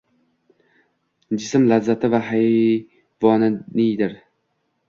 Jism lazzati esa hayvoniydir